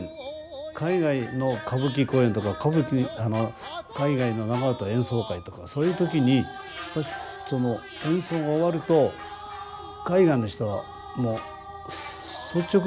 海外の歌舞伎公演とか海外の長唄演奏会とかそういう時にやっぱしその演奏が終わると海外の人はもう率直に表してくれますので。